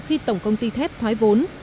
khi tổng công ty thép thoái vốn